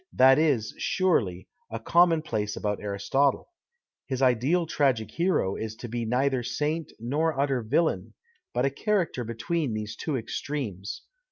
That is, surely, a commonj)lace about Aristotle. Ilis ideal tragic hero is to be neither saint nor utter villain, but a character between these two extremes.